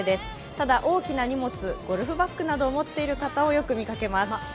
ただ、大きな荷物、ゴルフバッグなどを持っている方をよく見かけます。